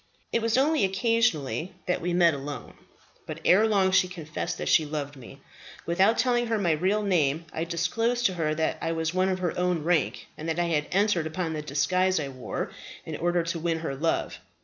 "It was only occasionally that we met alone; but ere long she confessed that she loved me. Without telling her my real name, I disclosed to her that I was of her own rank, and that I had entered upon the disguise I wore in order to win her love.